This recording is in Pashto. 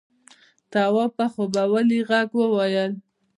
تواب په خوبولي غږ وويل: